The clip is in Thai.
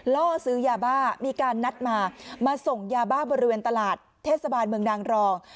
ล่อซื้อยาบ้ามีการนัดมามาส่งยาบ้าบริเวณตลาดเทศบาลเมืองนางรอง